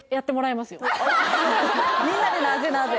みんなで「なぁぜなぁぜ？」